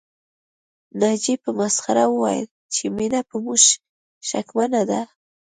ناجيې په مسخره وويل چې مينه په موږ شکمنه ده